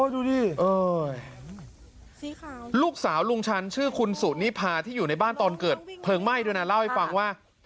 ดูดิลูกสาวลุงชันชื่อคุณสุนิพาที่อยู่ในบ้านตอนเกิดเพลิงไหม้ด้วยนะเล่าให้ฟังว่า